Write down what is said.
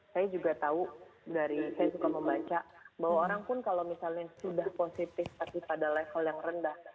saya juga tahu dari saya suka membaca bahwa orang pun kalau misalnya sudah positif tapi pada level yang rendah